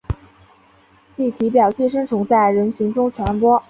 经体表寄生虫在人群中传播。